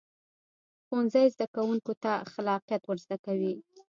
ښوونځی زده کوونکو ته خلاقیت ورزده کوي